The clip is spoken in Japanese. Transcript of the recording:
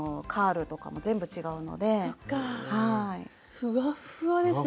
ふわっふわですよ。